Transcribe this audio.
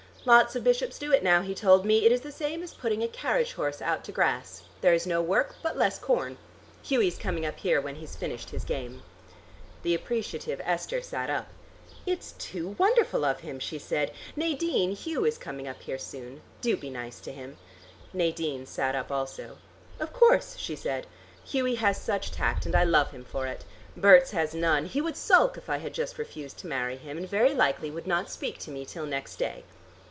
Lots of bishops do it now, he told me; it is the same as putting a carriage horse out to grass: there is no work, but less corn. Hughie's coming up here when he's finished his game." The appreciative Esther sat up. "It's too wonderful of him," she said. "Nadine, Hugh is coming up here soon. Do be nice to him." Nadine sat up also. "Of course," she said. "Hughie has such tact, and I love him for it. Berts has none: he would sulk if I had just refused to marry him and very likely would not speak to me till next day."